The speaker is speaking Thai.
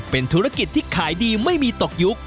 เป็นธุรกิจที่ขายดีไม่มีตกยุค